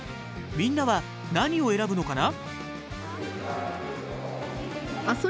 みんなは何を選ぶのかな？